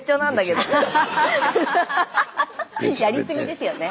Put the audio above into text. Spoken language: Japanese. やり過ぎですよね。